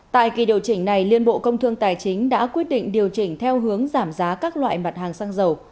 tại kỳ điều chỉnh này liên bộ công thương tài chính đã quyết định điều chỉnh theo hướng giảm giá các loại mặt hàng xăng dầu